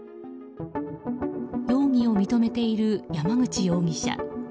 容疑を認めている山口容疑者。